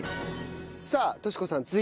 さあ敏子さん。